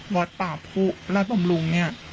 วัดป่าผู้ราชบำรุงเนี่ย